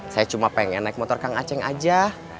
saya cuma pengen naik motor kang aceng aja